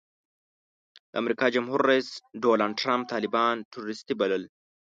د امریکا جمهور رئیس ډانلډ ټرمپ طالبان ټروریسټي بلل.